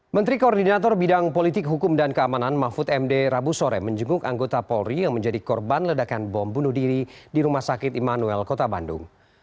menteri koordinator bidang politik hukum dan keamanan mahfud md rabu sore menjenguk anggota polri yang menjadi korban ledakan bom bunuh diri di rumah sakit immanuel kota bandung